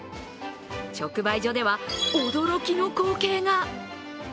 直売所では、驚きの光景が。